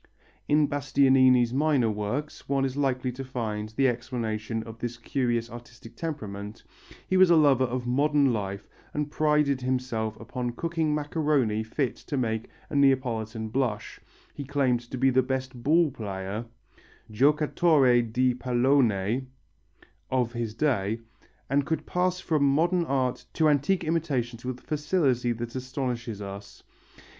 In Bastianini's minor works one is likely to find the explanation of this curious artistic temperament he was a lover of modern life and prided himself upon cooking macaroni fit to make a Neapolitan blush, he claimed to be the best ball player (giocatore di pallone) of his day and could pass from modern art to antique imitations with a facility that astonishes us.